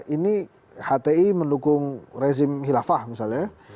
ini hti mendukung rezim hilafah misalnya ya